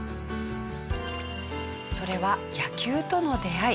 それは野球との出会い。